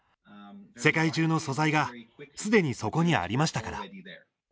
世界中の素材がすでにそこにありましたから。